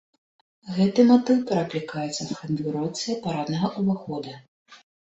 Гэты матыў пераклікаецца з канфігурацыяй параднага ўвахода.